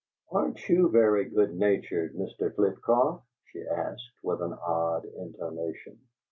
"Aren't you very good natured, Mr. Flitcroft?" she asked, with an odd intonation.